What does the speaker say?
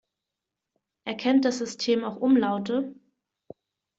Erkennt das System auch Umlaute?